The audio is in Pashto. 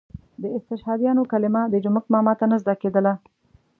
د استشهادیانو کلمه د جومک ماما ته نه زده کېدله.